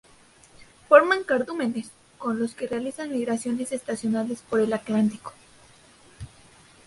Forman cardúmenes, con los que realizan migraciones estacionales por el Atlántico.